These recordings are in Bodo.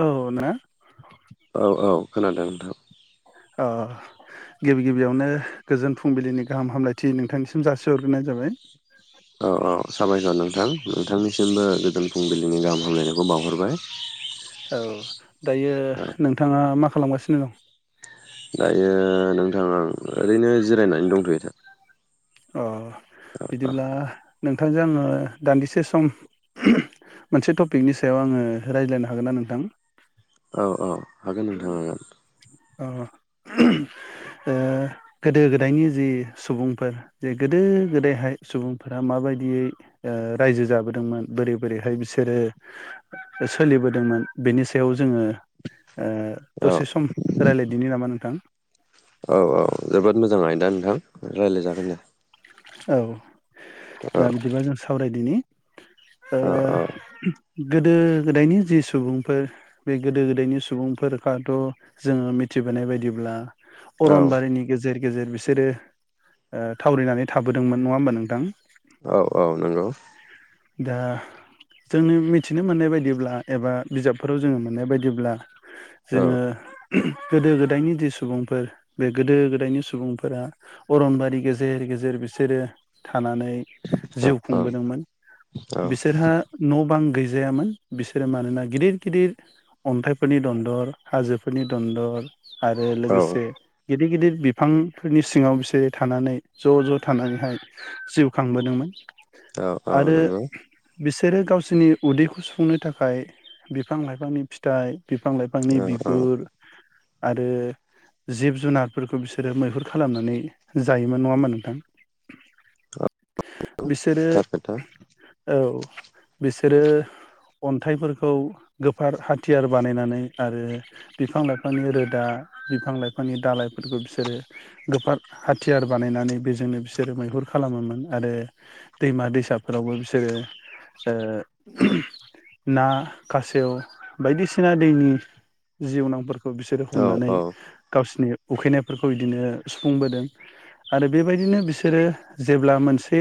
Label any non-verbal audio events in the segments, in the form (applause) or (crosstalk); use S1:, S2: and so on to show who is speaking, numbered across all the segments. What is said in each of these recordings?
S1: औ ना।
S2: औ औ खोनादों नोंथां।
S1: आ गिबि गिबियावनो गोजोन फुंबिलिनि गाहाम हामलायथि नोंथांनिसिम जासिहरग्रोनाय जाबाय।
S2: औ औ साबायखर नोंथां नोंथांनिसिमबो गोजोन फुंबिलिनि गाहाम हामलायनायखौ बावहरबाय।
S1: औ दायो
S2: औ
S1: नोंथाङा माखासे खालामगासिनो दं।
S2: दायो नोंथां आं ओरैनो जिरायनानै दंथ'यो सार ।
S1: अ बिदिब्ला नों नोंथांजों आङो दान्दिसे सम मोनसे टपिकनि सायाव आङो रायज्लायनो हागोन ना नोंथां।
S2: औ औ हागोन नोंथां हागोन।
S1: ओ गोदो गोदायनि जि सुबुंफोर जे गोदो गोदायहाय सुबुंफोरा माबायदियै ओ रायजो जाबोदोंमोन बोरै बोरैहाय बिसोरो सोलिबोदोंमोन बेनि सायाव जोङो ओ
S2: औ
S1: दसे सम रायज्लायदिनि नामा नोंथां
S2: औ औ जोबोद मोजां आयदा नोंथां। रायज्लायजागोन दे।
S1: औ
S2: औ
S1: दा बिदिबा जों सावरायदिनि ओ
S2: औ
S1: गोदो गोदायनि जि सुबुंफोर बे गोदो गोदायनि सुबुंफोरखौथ' जोङो मिथिबोनाय बायदिब्ला
S2: औ
S1: अरनबारिनि गेजेर गेजेर बिसोरो ओ थावरिनानै थाबोदोंमोन नङा होमबा नोंथां।
S2: औ औ नंगौ
S1: दा जोंनि मिथिनो मोननाय बायदिब्ला एबा बिजाबफोराव जोङो मोननाय बायदिब्ला
S2: औ
S1: जोङो गोदो गोदायनि जि सुबुंफोर बे गोदो गोदायनि सुबुंफोरा अरनबारि गेजेर गेजेर बिसोरो थानानै जिउ
S2: औ
S1: खुंबोदोंमोन
S2: औ
S1: बिसोरहा न' बां गैजायामोन बिसोरो मानोना गिदिर गिदिर अन्थाइफोरनि दन्दर हाजोफोरनि दन्दर आरो
S2: औ
S1: लोगोसे गिदिर गिदिर बिफांफोरनि सिङाव बि सोरो थानानै ज' ज' थानानैहाय जिउ खांबोदोंमोन।
S2: औ औ
S1: आरो
S2: नंगौ।
S1: बिसोरो गावसोरनि उदैखौ सुफुंनो थाखाय बिफां लाइफांनि फिथाइ बिफां लाइफांनि
S2: औ औ
S1: बिगुर आरो जिब जुनारफोरखौ बिसोरो मैहुर खालामनानै जायोमोन नङा होनबा नोंथां? बिसोरो
S2: थार खोथा
S1: औ बिसोरो अन्थाइफोरखौ गोफार हाथियार बानायनानै आरो बिफां लाइफांनि रोदा बिफां लाइफांनि दालइफोरखौ बिसोरो गोफार हाथियार बानायनानै बेजोंनो बिसोरो मैहुर खालामोमोन आरो दैमा दैसाफोरावबो बिसोरो ओ ना खासेव बायदिसिना दैनि जिउनांफोर खौ बिसोरो
S2: औ
S1: हमनानै
S2: औ
S1: गावसिनि उखैनायफोरखौ इदिनो सुफुंबोदों आरो बेबायदिनो बिसोरो जेब्ला मोनसे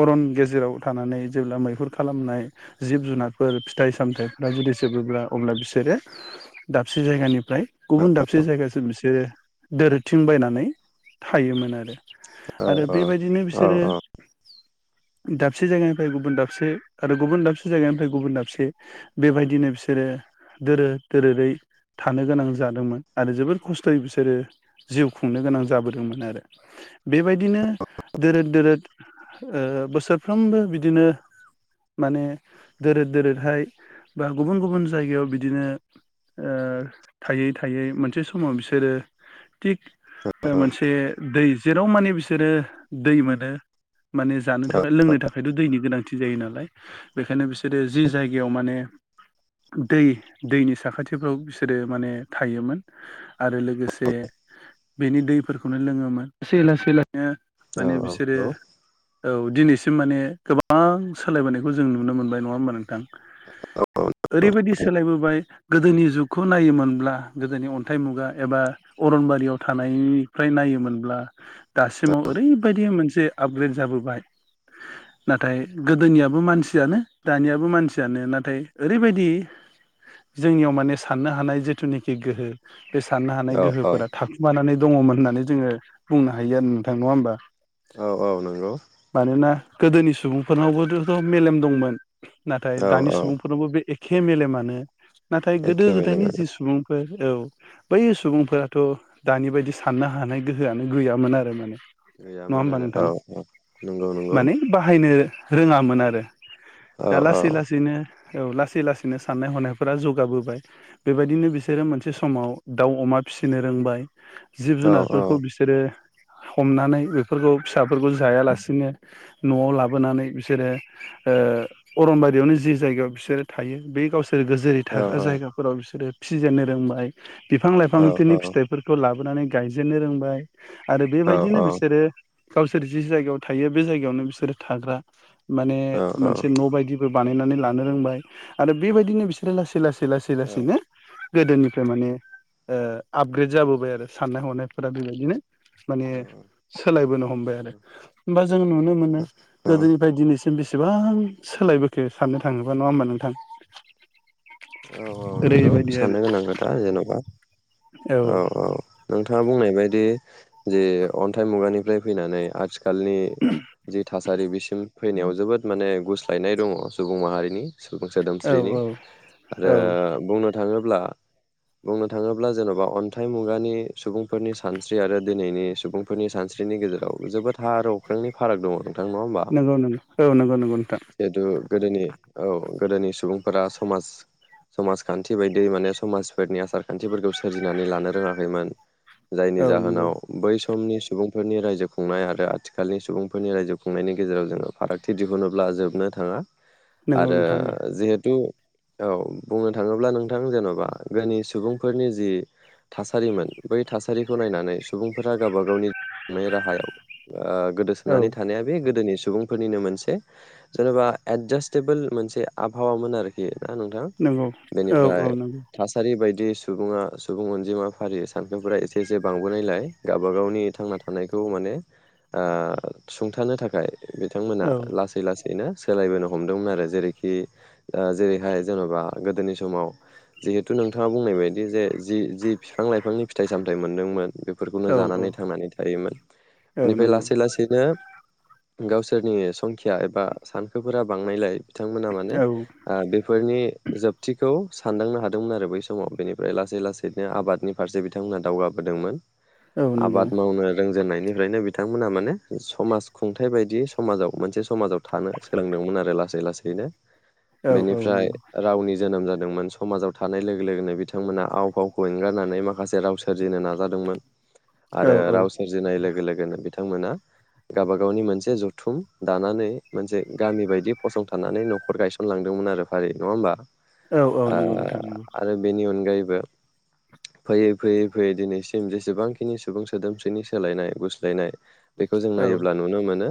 S1: अरन गेजेराव थानानै जेब्ला मैहुर खालामनाय जिब जुनारफोर फिथाइ सामथायाइफ्रा जुदि जोबोब्ला अब्ला बिसोरो दाबसे जायगानिफ्राय गुबुन दाबसे जायगासिम बिसोरो दोरोदथिं बायनानै थायोमोन आरो
S2: औ
S1: आरो बेबायदिनो
S2: औ
S1: बिसोरो दाबसे जायगानिफ्राय गुबुन दाबसे आरो गुबुन दाबसे जायगानिफ्राय गुबुन दाबसे बेबायदिनो बिसोरो दोरो दोरोदै थानो गोनां जादोंमोन। आरो जोबोर खस्थ'यै बिसोरो जिउ खुंनो गोनां जाबोद दोंमोन आरो बेबायदिनो दोरोद दोरोद ओ बोसोरफ्रोमबो बिदिनो माने दोरोद दोरोदहाय बा गुबुन गुबुन जायगायाव बिदिनो ओ थायै थायै मोनसे समाव बिसोरो थिग ओ
S2: औ
S1: मोनसे से दै जेराव माने बिसोरो दै मोनो माने जानो थाखाय लोंनो था खायथ' दैनि गोनांथि जायो नालाय बेखायनो बिसोरो जि जायगायाव माने दै दैनि साखाथिफ्राव बिसोरो माने थायोमोन आरो लोगोसे बेनि दैफोर खौनो लोङोमो लासै लासै नो माने बिसोरो औ दिनैसिम माने गोबां सोलायबोनायखौ जों नुनो मोनबाय नङा होमबा नोंथां? ओरैबायदि सोलायबोबाय गोदोनि जुग खौ नायोमोनब्ला गोदोनि अन्थाइ मुगा एबा अरनबारियाव थानाय फ्राय नायोमोनब्ला दासिमाव ओरैबायदि मोनस से आपग्रेद जाबोबाय नाथाय गोदोनियाबो मानसियानो दानियाबो मानसियानो नाथाय ओरैबायदि जोंनियाव माने साननो हानाय जिथुनाखि गोहो बे साननो हानाय
S2: औ
S1: गोहोफोरा थाखुमानानै दङ'मोन होन्ना माने जोङो बुंनो हायो आरो नोंथां नङा होमबा?
S2: औ औ नंगौ।
S1: मानोना गोदोनि सुबुंफोरनावबोथथ' मेलेम दंमोन। नाथाय
S2: औ
S1: दानि
S2: औ
S1: सुबुंफोरनावबो बे एख खे मेलेमानो नाथाय गोदो
S2: एखे
S1: गोदायनि
S2: मेलेमानो
S1: जि सुबुंफोर औ बै सुबुंफोराथ' दानि बायदि साननो हा हानाय गोहोआनो गैयामोन आरो माने। नङा
S2: गैयामोन
S1: होमबा
S2: आरो औ
S1: नोंथां?
S2: औ नंगौ नंगौ
S1: माने बाहायनो रोङामोन आरो
S2: औ
S1: दा
S2: औ
S1: लासै लासैनो औ लासै लासैनो साननाय हनायफोरा जौगाबोबाय बेबायदिनो बिसोरो मोनसे समाव दाउ अमा फिसिनो रोंबाय। जिब जुनार
S2: औ
S1: बेफोरखौ बिसोरो हमनानै बेफोरखौ फिसाफोरखौ जायालासिनो न'आव लाबोनानै बिसोरो ओ अरनबारियावनो जि जायगायाव बिसोरो थायो बे गावसोर बिसोर गोजेरै
S2: औ
S1: थाग्रा जायगाफोराव बिसोरो फिसिजेननो रोंबाय बिफां
S2: औ
S1: लाइफांनि फिथाइफोरखौ लाबो लाबोनानै गायजेन जेननो रोंबाय आरो
S2: औ
S1: बेबायदिनो बिसोरो गावसोर जि जायगायाव थायो बे जायगायावनो बिसोरो थाग्रा माने
S2: औ
S1: मोनसे न' बायदिबो बानायनानै लानो रोंबाय आरो बेबायदिनो बिसोरो लासै लासै लासै लासैनो गोदोनिफ्राय माने आपग्रेड जाबोबाय आरो साननाय हनाय फोर बेबायदिनो माने सोलायबोनो हमबाय आरो होमबा जों नुनो मोनो
S2: औ
S1: गोदोनिफ्राय दिनैसिम बेसेबां सोलायबोखो साननो थाङोबा नङा होमबा नोंथां
S2: औ औ नंगौ
S1: ओरैबायदि आरो
S2: साननो गोनां खोथा जेन'बा औ औ नोंथ नोंथाङा बुंनाय बायदि जे अन्थाइ मुगानिफ्राय फैनानै आथिखाल आथिखालनि जि थासारि बिसिम फैनायाव जोबोद माने गुस (unintelligible) दङ सुबुं माहारिनि सुबुं
S1: औ
S2: सोदोमस्रिनि
S1: औ
S2: ओ
S1: औ
S2: बुंनो थाङोब्ला बुंनो थाङोब्ला जेन'बा अन्थाइ मुगानि सुबुंफोरनि सानस्रि आरो दिनैनि सुबुंफोरनि सानस्रिनि गेजेराव जोबोद हा आरो अख्रांनि फाराग दङ। नोंथां नङा होमबा
S1: नंगौ नंगौ औ नंगौ नंगौ नोंथां।
S2: जिहेथु गोदोनि औ गोदोनि सुबुंफोरा समाज समाजखान्थि बायदि माने समाजफोरनि आसार खान्थिफोरखौ सोरजिनानै लानो रोङाखैमोन। जायनि
S1: औ नंगौ
S2: जाहोनाव बै स समनि सुबुंफोरनि रायजो खुंनाय आरो आथिखालनि सुबुंफोरनि रायजो खुंनायनि गेजेराव जोङो फारागथि दिहुनोब्ला जोबनो थाङा।
S1: नंगौ
S2: आरो
S1: नोंथां
S2: जिहेतु औ बुंनो थाङोब्ला नोंथां जेन'बा गोनि सुबुंफोरनि जि थासारिमोन बै थासारिखौ नायनानै सुबुंफोरा गाबा गावनि खुंनाय राहायाव ओ
S1: औ
S2: गोदोसोनानै थानाया बे गोदोनि सु सुबुंफोरनिनो मोनसे जेन'बा एदजासटेबोल मोनसे आबहावामोन आरोखि। नोंथां
S1: नंगौ औ औ
S2: बेनिफ्राय
S1: नंगौ
S2: थासारि बायदि सुबुङा सुबुं अनजिमा फारि सानखोफोरा एसे एसे बांबोनायलाय गाबा गावनि थांना थानायखौ माने ओ सुंथानो थाखाय बिथांमोना
S1: औ
S2: लासै लासै बिनो सोलायबोनो हमदोंमोन आरो जेरैखि ओ जेरै हाय जेन'बा गोदोनि समाव जिहेथु नोंथाङा बुंनाय बायदि जे जि जि बिफां लाइफांनि फिथाइ सामथाइ मोनदोंमोन बे फोरखौनो
S1: औ
S2: जानानै थांनानै थायोमोन
S1: औ
S2: इनिफ्राय
S1: नंगौ
S2: लासै लासैनो गावसोरनि संखिया एबा सानखोफोरा बांनायलाय बिथांमोना माने
S1: औ
S2: ओ बे फोरनि जोबथिखौ सानदांनो हादोंमोन आरो बै समाव बेनिफ्राय लासै लासैनो आबादनि फारसे बिथांमोनहा दावगाबोदोंमोन।
S1: औ नंगौ
S2: आबाद मावनो रोंजेननाय निफ्रायनो बिथांमोना माने समाज खुंथाइ बायदि समाजाव मोनसे समाजाव थानो सोलोंदोंमोन आरो लासै लासैनो।
S1: औ औ।
S2: फ्राय
S1: नंगौ
S2: रावनि जोनोम जादोंमोन समाजाव थानाय लोगो लोगोनो बिथांमोना आव फावखौ एंगारनानै माखासे राव सोर जिनो नाजादोंमोन आरो
S1: औ औ
S2: राव सोरजिनाय लोगो लोगो बेनो बिथांमोना गाबा गावनि मोनसे जथुम दानानै मोनसे गामि बायदि फसंथानानै न'खर गायसनलांदोंमोन आरो। (unintelligible) नङा होनबा?
S1: औ औ
S2: ओ
S1: नंगौ नोंथां नंगौ
S2: आरो बेनि अनगायैबो बे फैयै फैयै फैयै दिनैसिम जेसेबांखिनि सुबुं सोदोमस्रिनि सोलायनाय गुस्लायनाय बेखौ जों
S1: औ
S2: नायोब्ला नुनो मोनो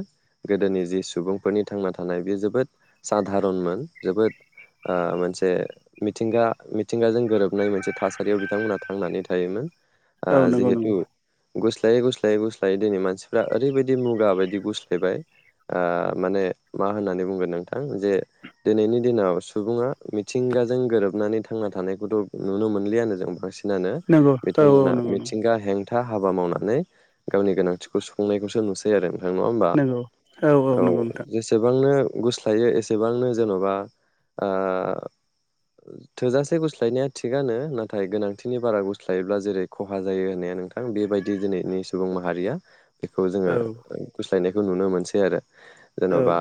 S2: गोदोनि जि सुबुंफोरनि थांना थानाय बेयो जोबोद साधारनमोन जोबोद ओ मोनसे मिथिंगा मिथिंगाजों गोरोबनाय मोनसे थासारियाव बिथांमोनहा थांनानै थायोमोन। आ
S1: औ नंगौ
S2: जिहेतु
S1: नंगौ
S2: गुस्लायै गुस्लायै गुस्लायै दिनै मानसिफ्रा ओरैबायदि मुगा बायदि गुस्लायबाय ओ माने मा होननानै बुंगोन नोंथां जे दिनैनि दिनाव सुबुङा मिथिंगाजों गोरोबनानै थांना थानायखौथ' नुनो मोनलियानो जों बांसिन। नानो
S1: नंगौ औ औ
S2: बिथांमोना
S1: नंगौ नंगौ
S2: मिथिंगा हें था हाबा मावनानै गावनि गोनांथिखौ सुफुंनायखौसो नुसैआरो। नङा होमबा
S1: नंगौ
S2: औ
S1: नंगौ नोंथां
S2: जेसेबांनो गुस्लायो एसेबांनो जेन'बा ओ थोजासे गुस्लायनाया थिगआनो नाथाय गोनांथिनि बारा गुस्लायोब्ला जेरै खहा जायो होननाया नोंथां बेबायदि दिनैनि सुबुं माहारिया। बेखौ जोङो
S1: औ
S2: गुस लायनायखौ नुनो मोनसैआरो ।
S1: औ
S2: जेन'बा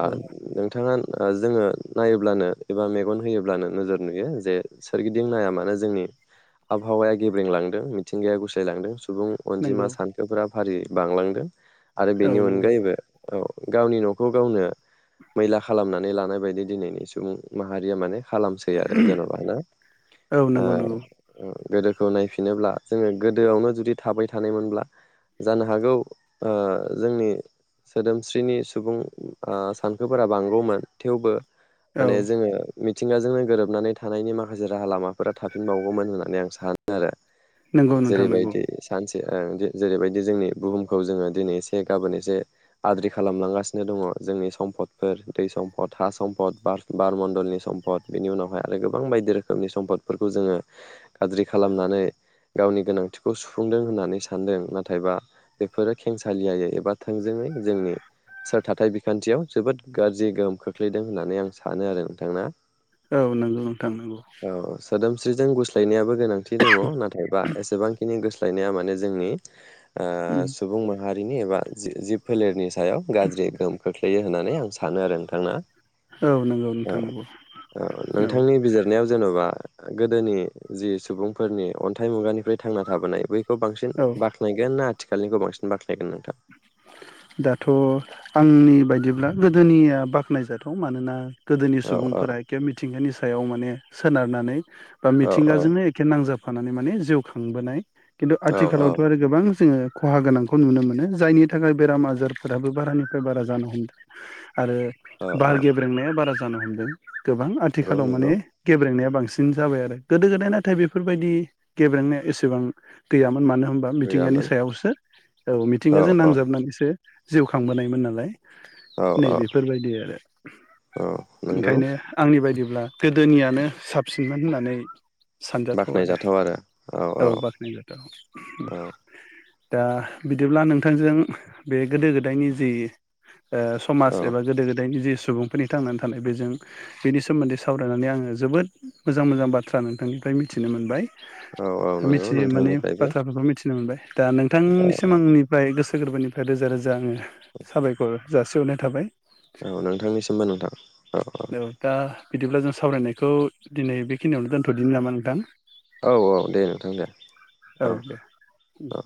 S2: नोंथाङा औ जोङो नायोब्लानो एबा मेगन होयोब्लानो नोजोर नुयो जे सोरगिदिं नाया मानो जोंनि आबहावाया गेब्रेंलांदों मिथिंगाया गुसायलांदों । सुबुं अनजिमा
S1: नंगौ
S2: सानखोफोराबो फारियै बांलांदों। आरो
S1: औ
S2: बेनि
S1: नंगौ
S2: अनगायैबो औ । गावनि न'खौ गावनो मैला खालामनानै लानाय बायदि दिनैनि सुबुं माहारिया माने खालामसै आरो जेन'बा ना
S1: औ
S2: ओ
S1: नंगौ नंगौ
S2: गोदोखौ नायफिनोब्ला जोङो गोदोआवनो जुदि थाबाय थानायमोनब्ला जानो हागौ ओ जोंनि सोदोमस्रिनि सुबुं ओ सानखोफोरा बांगौमोन थेवबो
S1: औ
S2: माने
S1: ।
S2: जोङो मिथिंगाजोंनो गोरोबनानै थानायनि माखासे राहा लामाफोरा थाफिनबावगौमोन होननानै आं सानो आरो
S1: नंगौ
S2: ।
S1: नोंथां नंगौ
S2: जेरैबायदि सानसे जेरैबायदि जोंनि बुहुमखौ जोङो दिनै एसे गाबोन एसे आद्रि खालामलांगासिनो दङ' जोंनि सम्पदफोर दै सम्फद हा सम्फद बार बारमण्डलनि सम्पद बेनि उनावहाय आरो गोबां बायदि रोखोमनि सम्पदफोरखौ जोङो ग खालामनानै गावनि गोनांथिखौ सुफुंदों होननानै सानदों नाथाय बा बेफोर खेंसालियायै एबा थोंजोङै जोंनि सोर थाथाय बिखान्थि याव जोबोद गाज्रि बार बारमनडलनि सम्पद बेनि उनाव हाय आरो गोबां बायदि रोखोमनि सम्पद फोरखौ जोङो आद्रि खालामनानै गावनि गोनांथिखौ सुफुंदों होननानै सानदों। नाथायबा बेफोरो खेंसालियायै एबा थोंजोङै जोंनि सोर थाथाय बिखान्थियाव जोबोद गाज्रि गोहोम खोख्लैदों होननानै आं सानो। सानो आरो नोंथां ना?
S1: औ नंगौ नोंथां नंगौ।
S2: सादोमस्रिजों गुस्लायनायाबो गोनांथि दङ' नाथायबा एसेबांखिनि गोसो फायनाया माने जोंनि ओ सुबुंमोन हारिनि एबा जि जिब फोलेरनि । सायाव गाज्रि गोहोम । खोख्लैयो होननानै आं सानो आरो नोंथां ना ।
S1: औ नंगौ
S2: औ
S1: नोंथां नंगौ
S2: औ नोंथांनि
S1: औ
S2: बिजिरनायाव जेन'बा गोदोनि जि सुबुंफोरनि अन्थाइ मुगानिफ्राय थांना थाबोनाय बै खौ बांसिन
S1: औ
S2: बाख्नायगोन ना आथिालनि गोबांसिन बाथ्रा ।
S1: दाथ' आंनि बायदिब्ला गोदोनिया बाख्नायजाथाव मानोना गोदोनि
S2: औ औ
S1: सुबुंफोरा एखे मिथिंगानि सायाव माने सो सोनारनानै बा
S2: औ
S1: मिथिंगाजोंनो एखे नांजाब थानानै माने जिउ खांबोनाय खिन्थु
S2: औ
S1: आथिखालावथ' आरो गोबां जोङो खहा गोनांखौ नुनो मोनो । जायनि थाखाय बेराम आजारफोराबो बारानिफ्राय बारा जानो हमदों । आरो
S2: औ औ
S1: बार गेब्रेंनाया बारा न हमदों गोबां
S2: नंगौ
S1: आथिखालाव माने
S2: नंगौ
S1: गेब्रेंनाया बां जों जाबाय आरो गोदो गोदाय नाथाय बेफोरबायदि गेब्रेंनाया एसेबां गैयामोन मानो होनबा मिथिंगानि
S2: गैयामोन
S1: सायावसो औ। (unintelligible) जिउ खांबोनायमोन नालाय ।
S2: औ
S1: नै
S2: औ
S1: बेफोरबायदि आरो
S2: औ नंगौ
S1: ओंखायनो आंनि बायदि ब्ला गोदोनियानो साबसिनमोन होननानै सानजाथाव आरो औ बाख्नायजाथाव
S2: औ
S1: दा बिदिब्ला नोंथांजों बे गोदो गोदायनि जि ओ समाज
S2: औ
S1: एबा गोदो गोदायनि जि सुबुंफोरनि थांनानै थानाय बेजों बेनि सोमोन्दै सावरायनानै आङो जोबोद मोजां मोजां बाथ्रा नोंथांनिफ्राय मिथिनो मोनबाय।
S2: औ औ नंगौ
S1: मिथियो माने
S2: नोंथांनिफ्रायबो
S1: बाथ्राफोरखौ मिथिनो मोनबाय दा नोंथां
S2: औ
S1: सिमांनिफ्राय गोसो गोरबोनिफ्राय रोजा रोजा आङो साबायखर जासे हरनाय थाबाय।
S2: औ नोंथांनिसिमबो नोंथां ।
S1: औ दा बिदिब्ला जों सावरायनायखौ दिनै बेखिनियावनो दोन्थ'दिनि नामा नोंथां?
S2: औ औ दे नोंथां दे औ औ